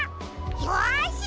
よし！